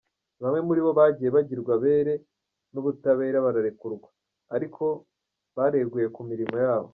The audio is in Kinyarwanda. Bamwe muri bo bagiye bagirwa abere n’ubutabera bararekurwa ariko bareguye ku mirimo yabo.